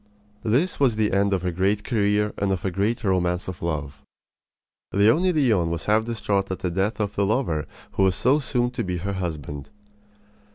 This was the end of a great career and of a great romance of love. Leonie Leon was half distraught at the death of the lover who was so soon to be her husband.